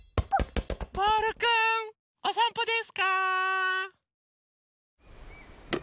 ボールくんおさんぽですか？